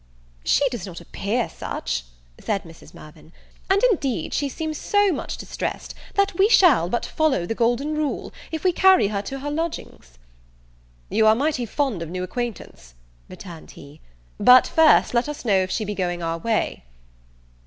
"She does not appear such," said Mrs. Mirvan; "and indeed she seems so much distressed, that we shall but follow the golden rule, if we carry her to her lodgings." "You are mighty fond of new acquaintance," returned he; "but first let us know if she be going our way."